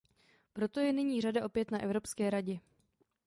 Proto je nyní řada opět na Evropské radě.